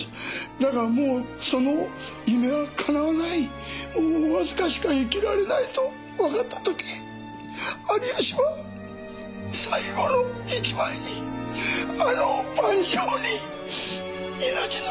だがもうその夢は叶わないもうわずかしか生きられないとわかったとき有吉は最後の一枚にあの『晩鐘』に命のすべてを注ぎ込んだんです！